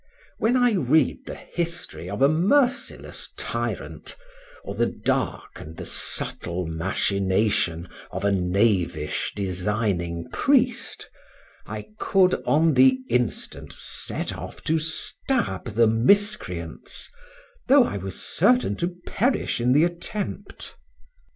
When I read the history of a merciless tyrant, or the dark and the subtle machination of a knavish designing priest, I could on the instant set off to stab the miscreants, though I was certain to perish in the attempt.